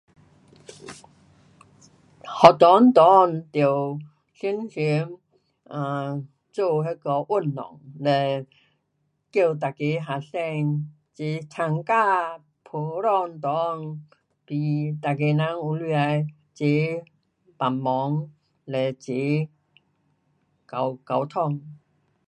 学堂内得常常 um 做那个运动，了叫每个学生齐参加普通内，是每个人有能力的齐帮忙，嘞齐沟，沟通。